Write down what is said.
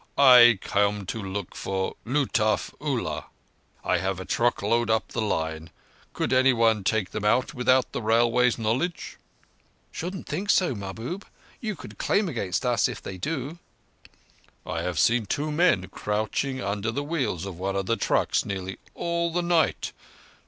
I come to look for Lutuf Ullah. I have a truck load up the line. Could anyone take them out without the Railway's knowledge?" "Shouldn't think so, Mahbub. You can claim against us if they do." "I have seen two men crouching under the wheels of one of the trucks nearly all night.